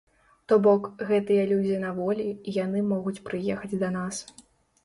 То бок, гэтыя людзі на волі, і яны могуць прыехаць да нас.